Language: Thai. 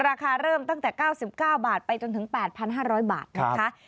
ราคาเริ่มตั้งแต่๙๙บาทไปจนถึง๘๕๐๐บาทนะคะ